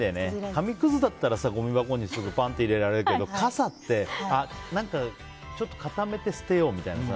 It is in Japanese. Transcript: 紙くずだったらごみ箱にすぐ入れられるけど傘って、何かちょっと固めて捨てようみたいなさ。